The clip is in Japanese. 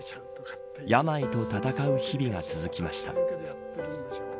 病と闘う日々が続きました。